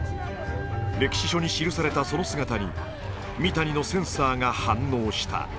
歴史書に記されたその姿に三谷のセンサーが反応した。